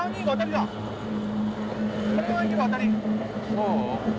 そう？